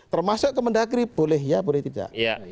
termasuk ke mendagri boleh ya boleh tidak